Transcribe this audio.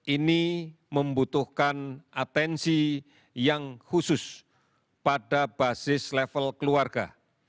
ini membutuhkan atensi yang khusus pada basis level keluarga